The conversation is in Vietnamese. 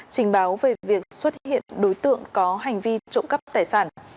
trình báo về việc xuất hiện đối tượng có hành vi trộm cắp tài sản